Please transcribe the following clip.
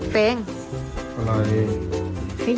เฟ้งไม่ยินมั้ยอ่ะฝนตก